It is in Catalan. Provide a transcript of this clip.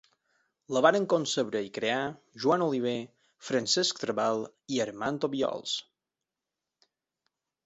La van concebre i crear Joan Oliver, Francesc Trabal i Armand Obiols.